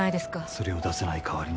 それを出さない代わりに